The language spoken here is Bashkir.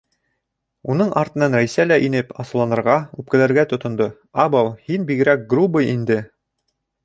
Уның артынан Рәйсә лә инеп, асыуланырға, үпкәләргә тотондо: - Абау, һин бигерәк грубый инде!